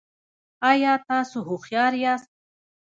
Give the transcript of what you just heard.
ایا تاسو هوښیار یاست؟